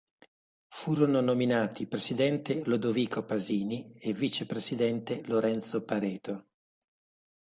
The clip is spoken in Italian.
Furono nominati presidente Lodovico Pasini e vicepresidente Lorenzo Pareto.